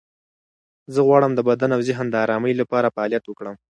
زه غواړم د بدن او ذهن د آرامۍ لپاره فعالیت وکړم.